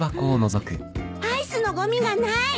アイスのごみがない。